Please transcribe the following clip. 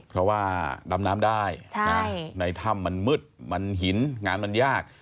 เพราะว่าดำน้ำได้ในถ้ำมันมืดมันหินงานมันยาก